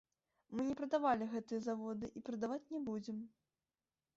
Мы не прадавалі гэтыя заводы і прадаваць не будзем.